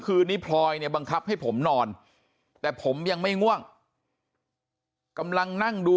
คืนนี้พลอยเนี่ยบังคับให้ผมนอนแต่ผมยังไม่ง่วงกำลังนั่งดู